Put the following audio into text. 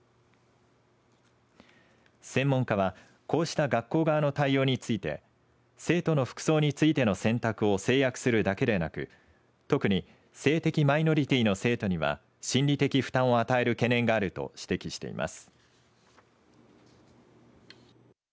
専門家は、こうした学校側の対応について生徒の服装についての選択を制約するだけでなく特に、性的マイノリティーの生徒には心理的負担を与える懸念があると指摘しています。